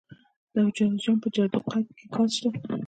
د جوزجان په جرقدوق کې ګاز شته.